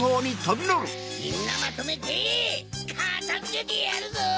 みんなまとめてかたづけてやるぞ！